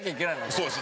そうですよ。